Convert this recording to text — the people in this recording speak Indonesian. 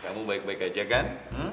kamu baik baik aja kan